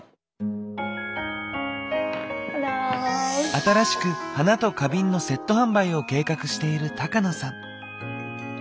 新しく花と花瓶のセット販売を計画している高野さん。